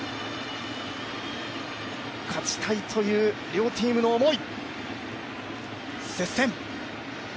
勝ちたいという両チームの思い。